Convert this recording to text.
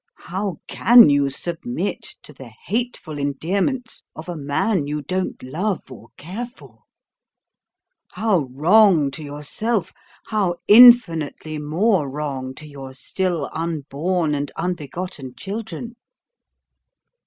How can you submit to the hateful endearments of a man you don't love or care for? How wrong to yourself, how infinitely more wrong to your still unborn and unbegotten children!